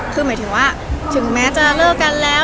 คือหมายถึงว่าถึงแม้จะเลิกกันแล้ว